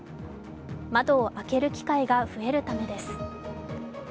窓を開ける機会が増えるためです。